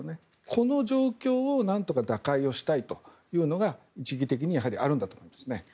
この状況をなんとか打開したいというのが一義的にあるんだと思います。